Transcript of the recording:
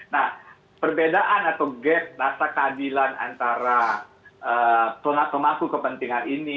nah perbedaan atau gap rasa keadilan antara pemangku kepentingan ini